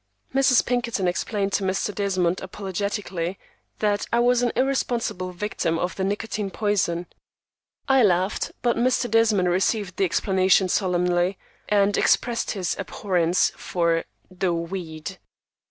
Mrs. Pinkerton explained to Mr. Desmond, apologetically, that I was an irresponsible victim of the nicotine poison. I laughed, but Mr. Desmond received the explanation solemnly, and expressed his abhorrence for "the weed."